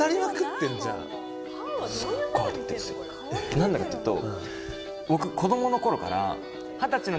何でかっていうと。